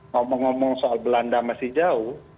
ngomong ngomong soal belanda masih jauh